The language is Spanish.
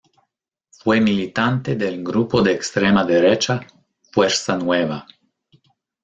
Fue militante del grupo de extrema derecha Fuerza Nueva.